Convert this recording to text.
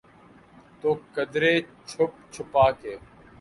تو قدرے چھپ چھپا کے۔